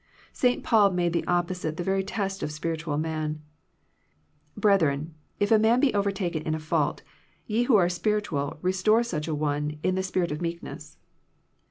St. Paul made the opposite the very test of the spiritual man: ''Brethren, if a man be overtaken in a fault, ye which are spiritual restore such an one in the spirit of meekness."